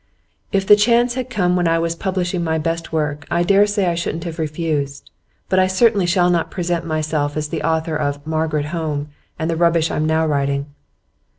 'If the chance had come when I was publishing my best work, I dare say I shouldn't have refused. But I certainly shall not present myself as the author of "Margaret Home," and the rubbish I'm now writing.